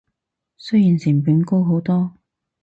雖然成本高好多